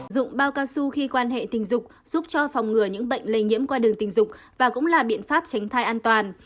dụng bao cao su khi quan hệ tình dục giúp cho phòng ngừa những bệnh lây nhiễm qua đường tình dục và cũng là biện pháp tránh thai an toàn